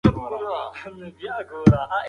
مه ځه، ځکه چې ستا شتون زما یوازینۍ هیله ده.